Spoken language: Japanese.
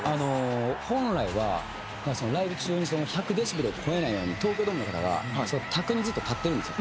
本来はライブ中に１００デシベルを超えないように東京ドームの方が卓にずっと立ってるんですよ。